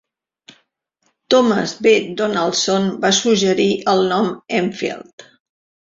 Thomas B. Donaldson va suggerir el nom Enfield.